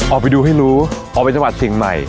ออกไปดูให้รู้ออกไปจังหวัดสิ่งใหม่